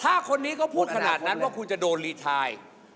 ถ้าคนนี้ก็พูดขนาดนั้นว่าคุณจะโดนรีไท